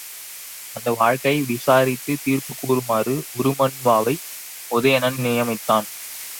அந்த வாழ்க்கை விசாரித்துத் தீர்ப்புக் கூறுமாறு உருமண்ணுவாவை உதயணன் நியமித்தான்.